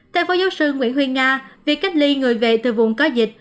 theo phó giáo sư nguyễn huy nga việc cách ly người về từ vùng có dịch